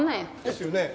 ですよね？